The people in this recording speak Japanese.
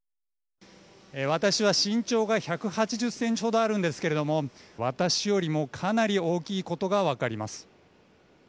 私は身長が１８０ｃｍほどあるんですが私よりも、かなり大きいことが分かります。